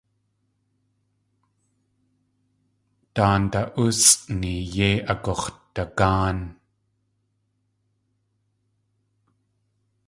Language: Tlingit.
Daanda.úsʼni yei agux̲dagáan.